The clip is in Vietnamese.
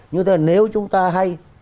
như thế nếu chúng ta hay